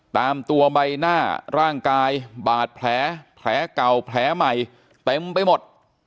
ตามตัวใบหน้าร่างกายบาดแผลเก่าแผลใหม่เต็มไปหมด